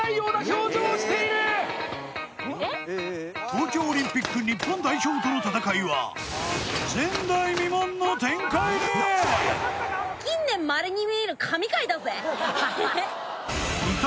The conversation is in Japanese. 東京オリンピック日本代表との戦いは前代未聞の展開に。